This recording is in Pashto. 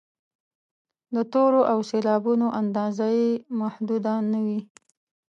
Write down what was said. د تورو او سېلابونو اندازه یې محدوده نه وي.